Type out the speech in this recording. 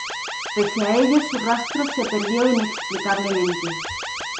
Pese a ello su rastro se perdió inexplicablemente.